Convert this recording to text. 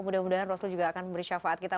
mudah mudahan rasul juga akan memberi syafaat kita